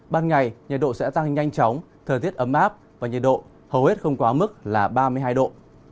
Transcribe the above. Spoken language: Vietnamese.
trời trời trăng nhanh chóng thời tiết ấm áp và nhiệt độ hầu hết không quá mức là ba mươi hai độ